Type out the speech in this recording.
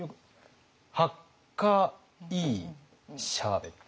ハッカいいシャーベット。